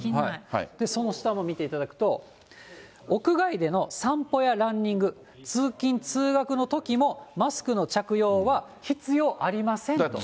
その下も見ていただくと、屋外での散歩やランニング、通勤・通学のときもマスクの着用は必要ありませんと。